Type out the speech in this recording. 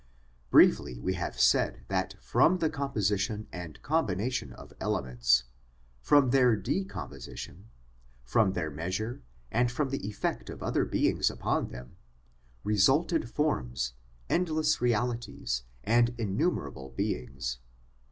Briefly, we have said that from the composition and combination of elements, from their decomposition, from their measure, and from the effect of other beings upon them, resulted forms, endless realities, and in numerable beings.